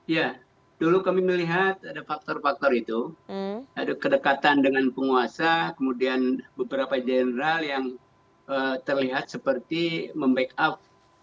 ya dulu kami melihat ada faktor faktor itu ada kedekatan dengan penguasa kemudian beberapa jenderal yang terlihat seperti membackup